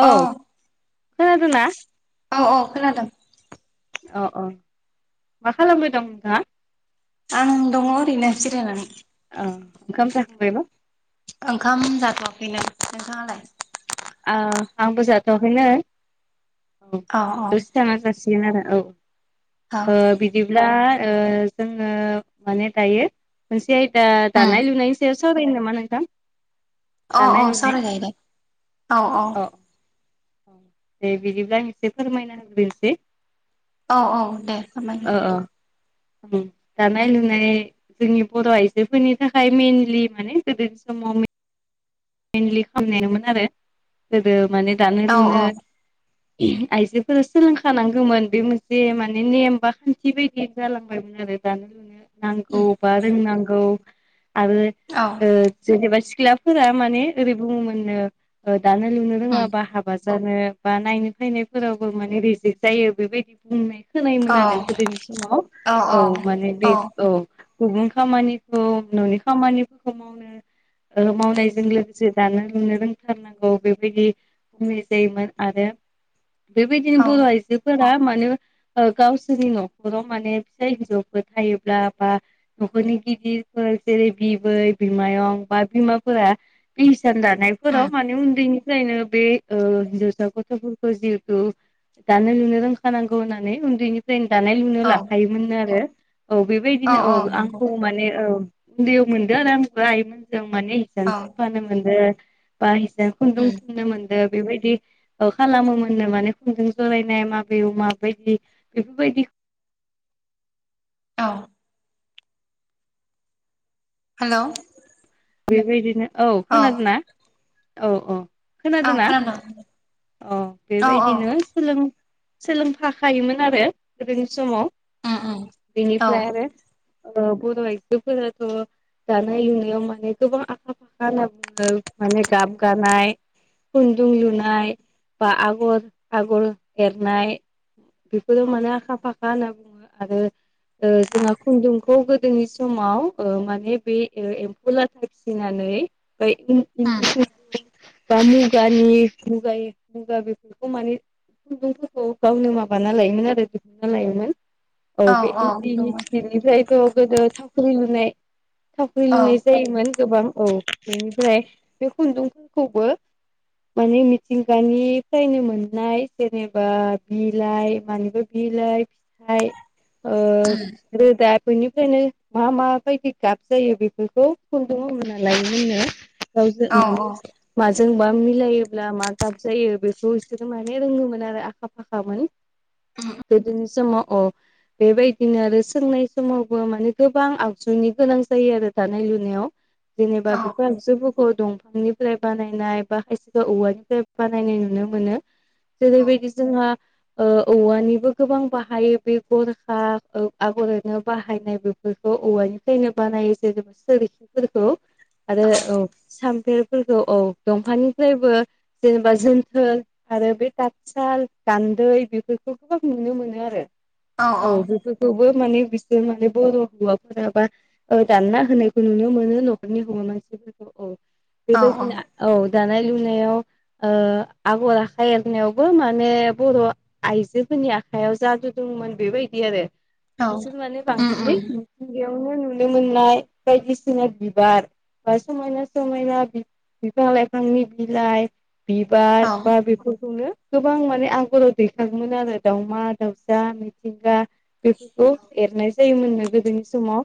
अ औ खोनादों ना? औ औ खोनादों। अ औ मा खालामबाय दं नोंथाङा? आं दङ ओरैनो जिरायनानै। अ ओंखाम जाखांबायबा? ओंखाम जाथ'वाखैनो। नोंथाङालाय? आंबो जाथ'वाखैनो। औ औ थाना जासिगोन आरो औ ओ औ बिदि बिदिब्ला जोङो माने दायो मोनसे आयदा दानाय उम लुनायनि सायाव सावरायनि नामा नोंथां? अ दानाय अ लुनाय सावराय जायो दे औ औ। अ अ दे बिदिब्ला आं एसे फोरमायना होग्रोनोसै। औ औ दे फोरमाय। अ अ दानाय- लुनाय जोंनि बर' आइजोफोरनि थाखाय मेनलि माने गोदोनि समाव मनलि खालामनामोन आरो गोदो माने दानो औ औ लुनो आइजोफोरा सोलोंखानांगौमोन बे मोनसे माने नेम बा खान्थि बायदि जालांबायमोन आरो दानो लुनो नांगौ उम बा रोंनांगौ आरो औ जेनेबा सिख्लाफोरा माने ओरै बुङोमोननो दानो लुनो उम रोङाबा हाबा जानो बा नायनो फायनायफोरावबो माने रिजेक्ट जायो बेबायदि बुंनाय खोनायमोन औ आरो गोदोनि समाव औ माने बे औ। गुबुन खामानिखौ न'नि खामानिफोरखौ मावनो मावनाय। जों लोगोसे दानो लुनो रोंथारनांगौ बेबायदि बुंनाय जायोमोन आरो। बेबायदिनो औ बर'आइजो फोरा माने गावसोरनि न'खराव माने फिसा हिनजावफोर थायोब्ला बा न'खरनि गिदिरफोर जेरै बिबै बिमायं बा बिमाफोरा जि हिसान उम दानायफोराव माने उन्दैनि जायनो बे हिनजावसा गथ'फोरखौ जिहेथु ओ दानो लुनो रोंखानांगौ होननानै उन्दैनिफ्राय दानाय लुनायाव औ लाफायोमोन आरो औ बेबादिनो औ आंखौ माने औ उन्दैयाव मोनदों आरो आंबो आइमोनजों माने हिसान औ सोंफानो मोनदों बा ओ खुन्दुं उम थुननो मोनदों बेबायदि खालामोमोननो माने खुंजों जरायनाय माबे माबायदि बेफोरबादि औ। हेलौ। बेबादिनो औ खोनादों ना औ औ। खोनादों ना अ औ औ बेबादिनो सोलोंफाखायोमोन आरो गोदोनि समाव उम उम औ बिनिफ्राय आरो बर आइजोफोराथ' दानाय लुनायाव माने गोबां आखा फाखा होनना बुङो माने गाब गानाय खुन्दुं लुनाय बा आगर आगर एरनाय। बेफोराव माने आखा-फाखा होनना बुङो आरो ओ जोंहा खुन्दुंखौ गोदोनि समाव माने बे एम्फौ लाथा फिसिनानै [unintelligible] उम बा मुगानि मुगा मुगा बेफोरखौ माने खुन्दुंफोरखौ गावनो माबाना लायोमोन आरो दिुहुनना लायोमोन। औ बे इन्दिनि जिनिफ्राय गोदो थावख्रि लुनाय थावख्रि औ लुनाय जायोमोन। गोबां औ बेनिफ्राय बे खुन्दुंफोरखौबो माने मिथिंगानिफ्रायनो मोननाय जेनेबा बिलाइ मा बिलाै फिथाइ ओ उम रोदा बेनिफ्रायनो मा माबायदि गाब जायो बेफोरखौ। मोनालायनो गावजों औ माने औ माजोंबा मिलायोब्ला मा गाब जायो बेखौ बिसोरो माने रोङोमोन आरो आखा-फाखामोन। उम [unintelligible] बेबायदिनो आरो सोंनाय समावबो माने गोबां आगजुनि गोनां जायो आरो दानाय-लुनायाव। जेनेबा औ बिफोर आगसुफोरखौ दंफांनि फ्राय बानायनाय बा खायसेखौ औवानिफ्राय बानायनाय नुनो मोनो। औ जेरैबादि जोंहा ओ औवानिबो गोबां बाहायो बे ओ गरखा आगरनो बाहायनाय बे बेफोरखौ औवानिफ्रायनो बानायो जेरा सोरिखिंफोरखौ आरो औ सामफेरफोरखौ औ दंफांनिफ्रायबो जेनेबा जोन्थोर आरो बे थाथसालाव गान्दै बेफोरखौ गोबां नुनो मोनो आरो। औ बेफोर खौबो माने बिसोर माने बर' हौवाफोराबा दानना होनायखौ नुनो मोनो मोनो न'खरनि हौवा मानसिफोरखौ औ औ बेबादिनो औ दानाय लुनायाव ओ आगर-आखाइ एरनायावबो माने बर' आइजोफोरनि आखायाव जादु दंमोन बेबादि आरो औ नोंसोर माने उम बांसिनै उम बेयावनो नुनो मोननाय बायदिसि जाना बिबार बा समायना समायना बिफां-लाइफांनि बिलाइ बिबार औ बा बेफोरखौनो गोबां माने आगराव दैखांगोमोन आरो दाउमा दाउसा मिथिंगा। बेफोरखौ एरनाय जायोमोननो गोदोनि समाव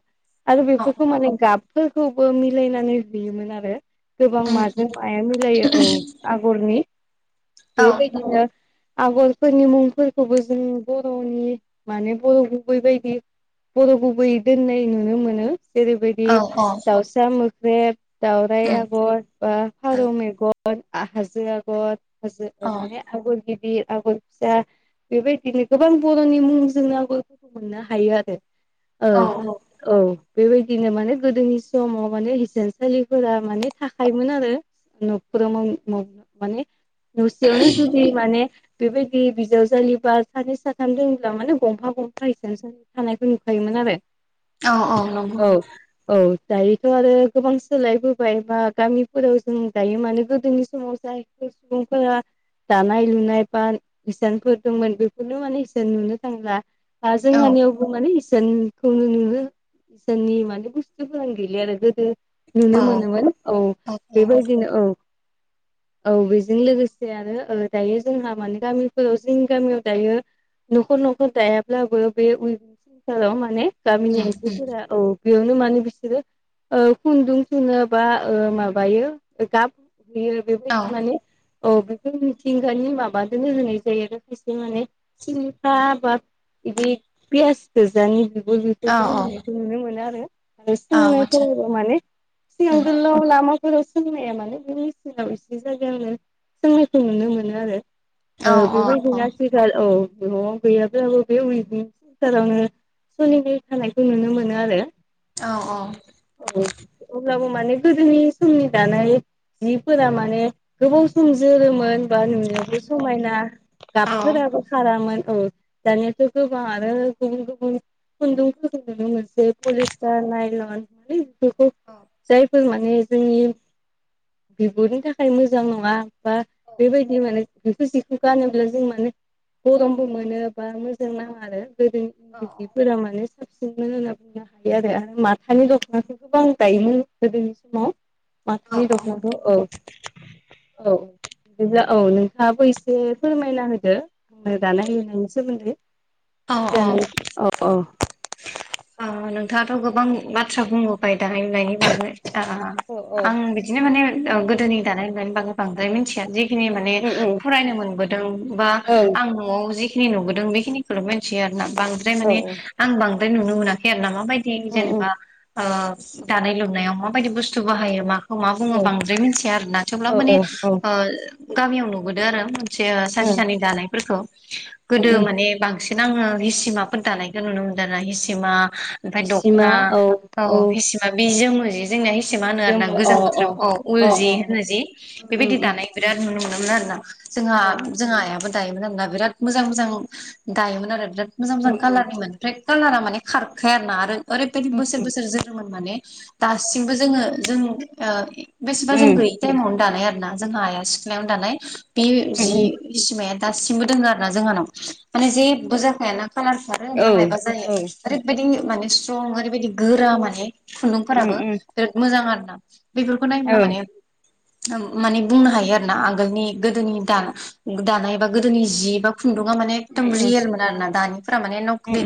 आरो बेफोरखौ माने गाब। फोरखौबो मिलायनानै हुयोमोन आरो गोबां उम माजों माया मिलायो औ आगरनि औ बेबायदिनो आगरफोरनि मुंफोरखौबो जों बर'नि माने बर' गुबैबायदि बर' गुबै दोननाय नुनो मोनो जेरैबायदि [unintelligible] दाउसा मोख्रेब दाउराय आगर बा फारौ मेगन हाजो आगर हाजो माने आगर गिदिर आगर फिसा बेबायदिनो गोबां बर'नि मुंजोंबाबो मोननो हायो आरो औ औ बेबायदिनो माने गोदोनि समाव माने हिसानसालिफोरा माने थाखायोमोन आरो न'फोराव माने न'सेयावनो जुदि माने बेबायदि बिजाव जालिबा सानै साथाम दोंब्ला माने गंफा गंफा हिसानसालि थानायखौ नुखायोमोन आरो औ औ नंगौ औ दायोथ आरो गोबां सोलायबोबाय बा गामिफोराव जों दायो मानो गोदोनि समाव जाय बे सुबुंफोरा दानाय लुनाय बा हिसानफोर दंमोन बेफोरनो माने जों नुनो थांला औ जोंहानियावबो माने इसानखौनो नुङो इसाननि माने बुस्थु बुस्तुफोरानो गैलिया आरो गोदो नुनो औ मोनोमोन औ बेबायदिनो औ। औ बेजों लोगोसे आरो ओ दायो जोंहा माने गामिफोराव जोंनि गामियाव दायो न'खर न'खर दायाब्लाबो बे [unintelligible] सालाव माने गामिनि उम उम आइजोफोरा औ बेयावनो माने बिसोरो ओ खुन्दुं खुङनो बाओ माबायो गाब होयो बेबायदि औ माने औ बेफोर मिथिंगानि माबाजों होनाय जायो आरो खायसे माने सिलिफा आबाद इदि पियास गोजानि बिगुर औ बेफोरजों होनायखौ नुनो मोनो आरो आरो औ आतसा सोंनायखौ माने सिगां उम गोलाव लामाखौ फोराव सोंनाया मानोे बे मेचिनाव एसे जायगायावनो सोंनायखौ नुनो मोनो आरो औ ओ औ बेबायदिनो आथि औ न'आव गैयाब्लाबो बे उल जि फोरावनो सोलिनाय थानायखौ नुनो मोनो आरो औ औ औ अब्लाबो माने गोदोनि समनि दानाय जिफोरा माने गोबाव सोमजोरोमोन दा नुनायावबो समायना औ गाबफोराबो खारामोन औ दानियाथ गोबांआनो गुबुन गुबुन खुन्दुंफोरखौ नुनो मोनसै पलिस्टार नायलन बेफोरखौ जाय फोर माने जोंनि बिगुरनि थाखाय मोजां नंङा बा बेबायदि माने बिखौ जिखौ गानोब्ला जों माने गरमबो मोनो बा मोजां नाङा आरो गोदोनि जिफोरा माने साबसिनमोन होनना बुंनो हायो आरो माथानि दखनाफोरखौबो गानजायोमोन गोदोनि समाव माथानि दखना खौ औ औ बिदिब्ला औ नोंथांङाबो एसे फोरमायना होदो दानाय लुनायनि सोमोन्दै औ जि औ औ दानाय औ ओ नोंथाङाथ गोबां बाथ्रा बुंबोबाय दानायनि बागै औ औ आं बिदिनो माने गोदोनि दानायनायनि बागै बांद्राय मिथियादि जिखिनि माने उम उम फरायनो मोनबोदों बा ओं औ आं न'आव जिखिनि नुबोदों बेखिनिखौल मिथियो आरो ना बांद्राय औ माने उम आं बांद्राय नुनो मोनाखै आरो ना मा बायदि उम जेनेबा ओ दानाय लुनायाव माबायदि बुस्थु बाहायो मा खौ मा औ बुङो बांद्राय मिथिया आरो ना औ थेवब्लाबो माने औ गामियाव नुबोदो आरो मोनसे उम सानसे सानानै दानायफोरखौ उम गोदो उम माने बांसिन बांसिन आङो हि सिमाफोर दानायखौ नुनो मोनदों हि सिमा ओमफ्राय दख'ना औ हि सि बि जोमो जि जोंनिया हि सिमा होनो आरो ना जोङो अ गोजां अ बोथोराव औ उल अ जि अ होनो जि उम बेबायदि उम दानाय बिराद नुनो मोनोमोन आरो ना जोंहा उम जोंहा आइयाबो दायोमोन आरोना बिराद मोजां मोजां दायोमोन आरो बिराद मोजां मोजां उम कालारनिमोन ओमफ्राय कालारा माने खारखाया आरो ना आरो ओरैबायदि उम बोसोर बोसोर जोरोमोन माने दासिमबो जोंङो जों बेसेबा जों गैयै टाइमावनो दानाय आरो ना जोंहा आइया सिख्लायावनो दानाय बे उम जि उम हि सिमाया दासिमबो दोङो आरो ना जोंहानाव माने जेबो जाखायाना खालार खारो औ ना मायबा जायो ओरैबायदि माने स्ट्रं ओरैबायदि गोरा माने उम खुन्दुंफोराबो उम बिराद मोजां आरोना बेफोरखौ औ नायोब्ला माने माने बुंनो हायो आरो ना आगोलनि गोदोनि दा दानाय एबा गोदोनि जि खुन्दुङा माने उम एकदम उम रियेलमोन आरो ना दानिफोरा माने उम नखलि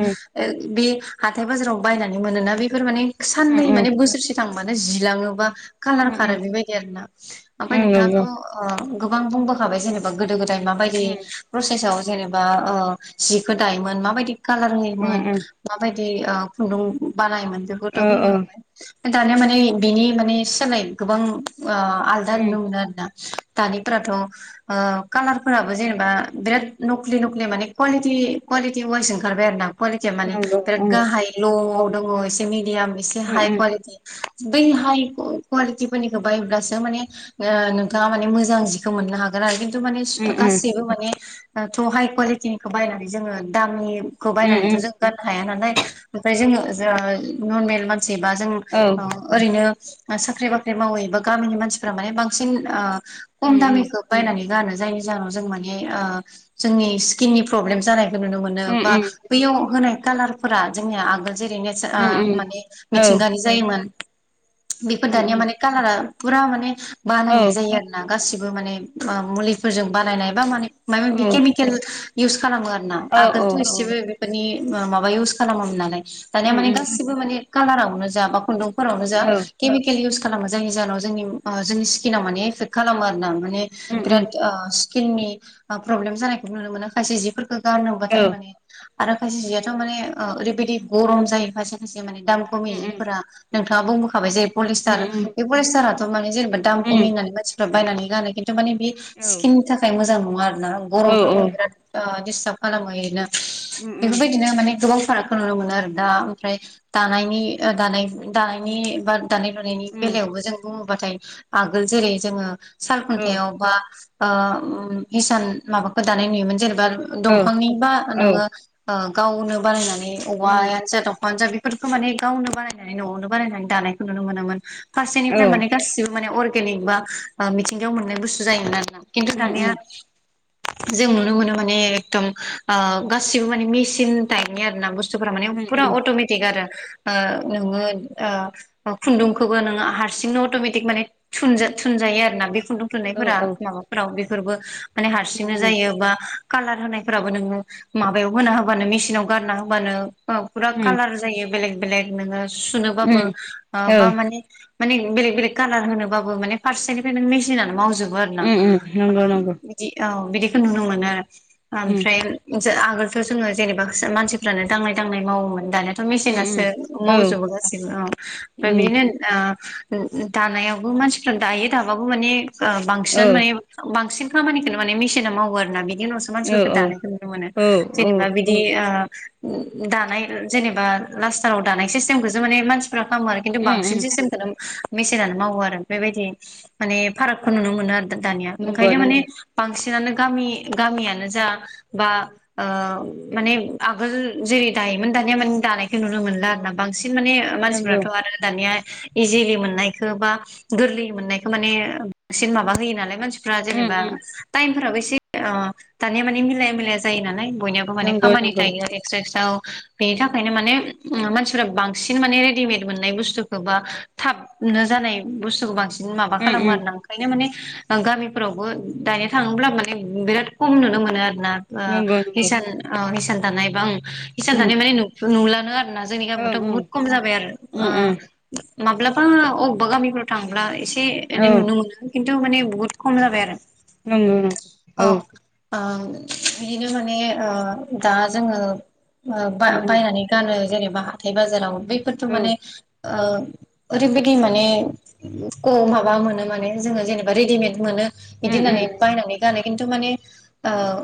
बे हाथाय बाजाराव बायनानै मोनोना बेफोर माने उम साननै माने बोसोरसे [unintelligible] बानो जिलाङो बा कालार उम खारो बेबायदि आरो ना ओमफ्राय नोंथाङाथ' गोबां बुंबोखाबाय जेनेबा गोदो गोदाय माबायदि प्रसेसआव जेनेबा जिखौ दायोमोन माबायदि कालार उम होयोमोन उम माबायदि खुन्दुं बानायोमोन बेखौथ' उम बुंबोखाबाय दानिया माने बिनि माने सोलाय गोबां आलदा नुनो मोनो आरोना दानिफोराथ कालारफोराबो जेनेबा बिराद नख्लि नख्लि माने कुवालिटि कुवालिटि वाइस ओंखारबाय आरो ना कुवालिटिया माने नंगौ बिराद उम गाहाय ल'आव दङ एसे मिडियाम एसे उम हाइ उम कुवालिटि बै हाइ कुवालिटिफोरनिखौ बायब्लासो माने नोंथाङा माने मोजां जि खौ मोननो हागोन आरो खिन्थु माने ओ ओ उम नंगौ उम गासिबो माने दाथ हाइ कुवालिटिनिखौ बायनानै जोङो दामनिखौ उम बायनानैथ‌ उम जों गाननो हाया नालाय ओमफ्राय जोङो नर्मेल मानसि बा जों औ ओरैनो साख्रि बाख्रि मावै बा गामिनि मानसिफोरा माने बांसिन उम खम उम दामिखौ बायनानै जायनि जाहोनाव जों माने जोंनि स्किननि प्रब्लेम जानायखौ नुनो मोनो उम बा उम बैयाव होनाय कालारफोरा जोंनिया आगोल जेरै उम उम ने औ मिथिंगानि जायोमोन बेफोर उम दानिया उम माने कालारा फुरा माने औ बानायनाय जायो आरो गासिबो माने मुलिफोरजों बानायनाय बा माने माबा औ माबि केमिकेल इउस खालामो आरो ना औ औ आगोलथ एसेबो बेफोरनि माबा इउस खालामामोन नालाय दानिया उम माने उम गासिबो गासिबो माने कालारावनो जा बा खुन्दुंफोरावनो जा औ केमिकेल इउस खालामो जायनि जाहोनाव जोंनि जोंनि स्किनाव माने एफेक्ट खालामो आरो ना माने उम बिराद स्किननि प्रब्लेम जानायखौ नुनो मोनो खायसे जिफोरखौ औ गारनोबाथाय उम उम माने आरो खायसे जियाथ' माने ओरैबायदि गरम जायो खायसे खायसे माने दाम खमि जिफोरा नोंथाङा बुंबोखाबाय जे उम पलिस्टार बे पलिस्टाराथ' माने जेनेबा दाम औ खमि होननानै मानसि फोरा बायनानै गानो खिन्थु माने बे औ स्किननि थाखाय मोजां नङा आरोना औ उम गरमफ्रावथ' बिराद दिस्टार्ब खालामो आरोना उम बेफोरबायदिनो माने गोबां फाराग खौ नुनो मोनो आरो दा ओमफ्राय दानायनि दानाय दानायनि बा दानाय लुनायनि औ बेलायावबो जों बुङोबाथाय आगोल जेरै जोङो साल औ खुन्थायाव बा हिसान माबाखौ दानाय नुयोमोन जेनेबा औ दंफांनि बा औ नोङो गावनो बानायनानै औवायानो जा दंफाङानो जा माने गावनो बानायनानै न'आवनो बानायनानै दानायखौ नुनो मोनोन फारसेनिफ्राय माने गासिबो माने रेलयै बा मिथिंगायाव मोननाय बुस्थु जायोमोन आरोना खिन्थु दानिया जों नुनो मोनो माने एकदम गासिबो माने मेसिन टाइपनि आरोना बुस बुस्थुफोरा माने फुरा अटमेटिक आरो नोङो ओ खुन्दुंखौबो नोङो हारसिंनो अटमेटिक माने थुनजो थुनजायो आरो ना बे खुन्दुं थुनायफोरा औ माबाफोराव बेफोरबो माने हारसिंनो जायो बा कालार होनायफोराबो नोङो माबायाव होना होबानो मेसिनाव गारना होबानो फुरा कालार जायो बेलेग बेलेग नोङो सुनोबाबो माबाबा माने माने बेलेग बेलेग कालार होनोबाबो माने फारसेनिफ्राय नों मेसिनानो मावजोबो [unintelligible] नंगौ नंगौ बि औ बिदिखौ नुनो मोनो आरो ओमफ्राय [unintelligible] सो जोङो जेनेबा मानसिफ्रानो दांनाय दांनाय मावोमोन दानो मेसिनासो म औ मावजोबो गासिबो ओ ओमफ्राय बिदिनो आ दानायावबो मानसिफ्रा दायो दाबाबो माने ओ औ बांसिन माने बांसिन खामानिखौनो माने मेसिना मावो आरो ना बिनि उनावसो औ मानसिफोरखौ दानायखौ नुनो मोनो औ औ जेनेबा बिदि आ दानाय जेनेबा लास्टाराव दानाय सिस्टेमखौसो माने मानसिफोरा खालामो आरोखि खिन्थु बांसिन सिस्तेमखौनो मेसिनानो मावो आरो बेबायदि माने फारागखौ नुनो मोनो आरो दानिया नंगौ ओंखायनो माने नंगौ बांसिनानो गामि गामियानो जा बा ओ माने आगोल जेरै दायोमोन दानिया माने दानायखौ नुनो मोनला आरोना बांसिन माने नंगौ मानसिफ्राथ आरो दानिया इजिलि मोननायखौ बा गोरलै मोननायखौ माने बांसिन माबा होयो नालाय मानसि फ्रा जेनेबा टाइमफोराबो एसे ओ दानिया माने मिलाया मिलाया जायो नालाय बयनियाबो माने नंगौ खामानि नंगौ थायो आरो [unintelligible] बेनि थाखायनो माने मानसिफोरा बांसिन माने रेडिमेड मोननाय बुस्थुखौ बा थाब नो जानाय बुस्थुखौ बांसिन माबा खालामो आरो ना ओंखायनो माने गामिफोरावबो दानिया थाङोब्ला माने बिराद खम नुनो मोनो आरो ना ओ नंगौ नंगौ हिसान ओ हिसान दानाय बा हिसान दानाय माने नु नुलानो आरो जोंनि औ गामियावथ बुहुत खम जाबाय आरो ओ माब्लाबा अबेबा गामिफ्राव थांब्ला एसे औ एनै नुनो मोनो खिनथु माने बहुत खम जाबाय आरो नंगौ नंगौ औ ओ बिदिनो माने ओ दा जोङो ओ बा बायनानै गानो जेनेबा हाथाय बाजाराव बफोरथ' औ माने ओ ओरैबायदि माने क माबा मोनो माने जोङो जेनेबा रेडिमेद मोनो बिदि होननानै बायनानै गानो खिन्थु माने आ